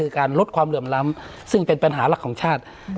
คือการลดความเหลื่อมล้ำซึ่งเป็นปัญหาหลักของชาติ